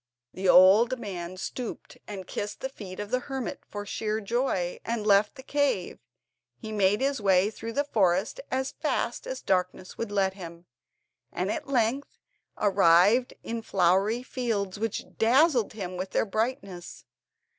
The old man stooped and kissed the feet of the hermit for sheer joy, and left the cave. He made his way through the forest as fast as the darkness would let him, and at length arrived in flowery fields, which dazzled him with their brightness.